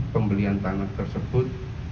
pembelian tanah tersebut